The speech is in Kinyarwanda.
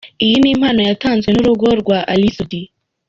Iyi ni impano yatanzwe n'urugo rwa Ally Soudy.